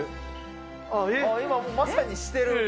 今まさにしてる。